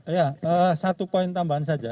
ya satu poin tambahan saja